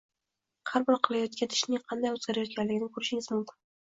har bir qilayotgan ishing qanday o‘zgarayotganligini ko‘rishing mumkin.